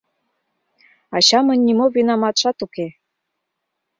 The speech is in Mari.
Ачамын нимо винаматшат уке.